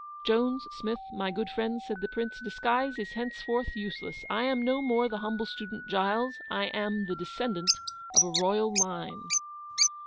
'Jones, Smith, my good friends,' said the PRINCE, 'disguise is henceforth useless; I am no more the humble student Giles, I am the descendant of a royal line.